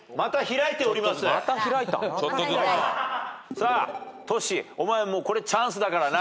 さあトシお前これチャンスだからな。